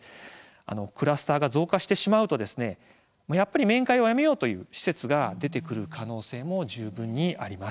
クラスターが増加してしまうとやっぱり面会をやめようという施設が出てくる可能性も十分にあります。